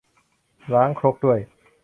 ล้างครกด้วย